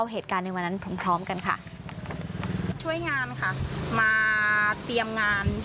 เหตุการณ์ในวันนั้นพร้อมพร้อมกันค่ะช่วยงานค่ะมาเตรียมงาน